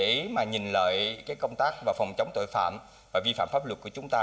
năm sau trong một hội nghị để nhìn lại công tác và phòng chống tội phạm và vi phạm pháp luật của chúng ta